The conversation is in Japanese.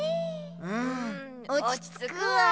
うんおちつくわあ。